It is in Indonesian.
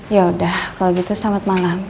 yaudah kalo gitu selamat malam